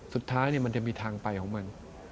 สุดท้ายมันจะมีทางไปของมัน